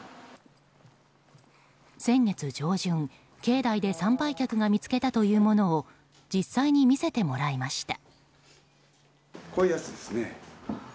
先月上旬、境内で参拝客が見つけたというものを実際に見せてもらいました。